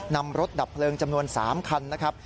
นำรถดับเพลิงจำนวน๓คันนะครับ